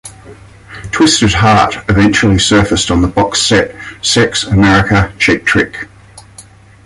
"Twisted Heart" eventually surfaced on the box set "Sex, America, Cheap Trick".